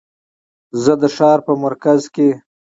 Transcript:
زه د ښار په مرکز کې